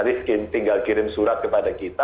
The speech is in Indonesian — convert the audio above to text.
rifki tinggal kirim surat kepada kita